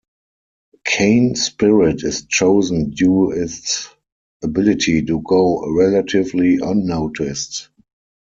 Cane spirit is chosen due its ability to go relatively unnoticed.